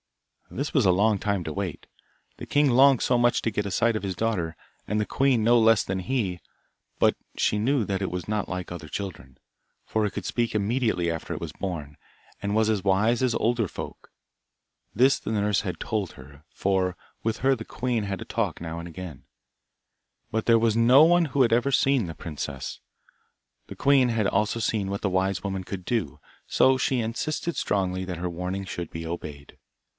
This was a long time to wait. The king longed so much to get a sight of his daughter, and the queen no less than he, but she knew that it was not like other children, for it could speak immediately after it was born, and was as wise as older folk. This the nurse had told her, for with her the queen had a talk now and again, but there was no one who had ever seen the princess. The queen had also seen what the wise woman could do, so she insisted strongly that her warning should be obeyed.